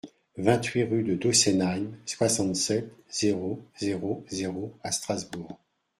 vingt-huit rue de Dossenheim, soixante-sept, zéro zéro zéro à Strasbourg